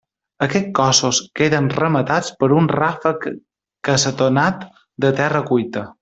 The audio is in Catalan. Aquests cossos queden rematats per un ràfec cassetonat de terra cuita.